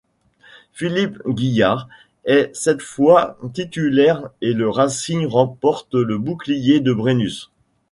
Philippe Guillard est cette fois titulaire et le Racing remporte le Bouclier de Brennus.